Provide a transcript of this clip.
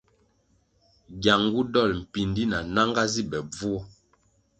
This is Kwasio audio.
Gyangu dol mpíndí na nanga zi be bvuo.